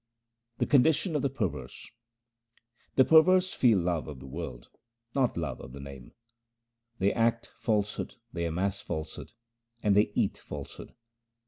The condition of the perverse :— The perverse feel love of the world, not love of the Name : They act falsehood, they amass falsehood, and they eat falsehood.